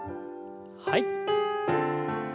はい。